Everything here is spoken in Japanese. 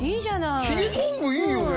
いいよね？